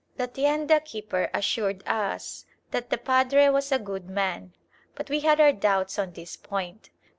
The tienda keeper assured us that the padre was a good man; but we had our doubts on this point.